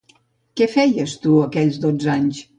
Què feies tu, aquells dotze anys?